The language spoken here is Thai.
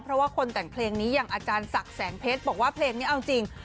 เพราะว่าคนแต่งเพลงนี้อย่างอาจารย์ศักดิ์แสงเพชรบอกว่าเพลงนี้เอาจริง